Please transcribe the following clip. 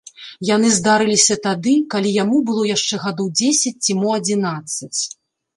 Яны здарыліся тады, калі яму было яшчэ гадоў дзесяць ці мо адзінаццаць.